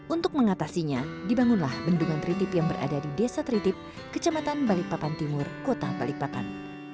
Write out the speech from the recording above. untuk mengatasinya dibangunlah bendungan tritip yang berada di desa tritip kecamatan balikpapan timur kota balikpapan